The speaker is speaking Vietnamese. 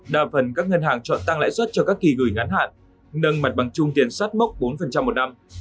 đa phần các ngân hàng chọn tăng lãi suất cho các kỳ gửi ngắn hạn nâng mặt bằng chung tiền sát mốc bốn một năm